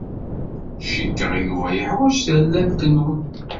Cikkeɣ Yuba yeḥwaj tallalt-nwen.